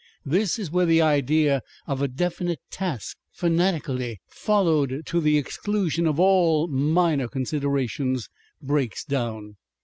This is where the idea of a definite task, fanatically followed to the exclusion of all minor considerations, breaks down.